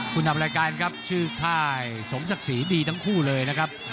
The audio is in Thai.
คุณทำรายการครับชื่อค่ายสมศักดิ์ศรีดีทั้งคู่เลยนะครับ